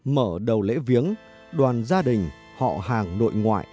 mở đầu lễ viếng đoàn gia đình họ hàng nội ngoại